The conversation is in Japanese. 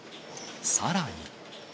さらに。